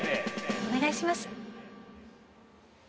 お願いします。